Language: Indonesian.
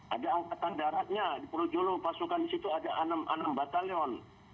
ada angkatan daratnya di pulau jolo pasukan di situ ada enam batalion